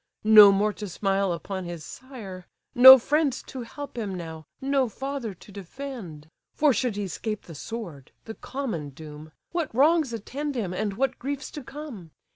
No more to smile upon his sire; no friend To help him now! no father to defend! For should he 'scape the sword, the common doom, What wrongs attend him, and what griefs to come!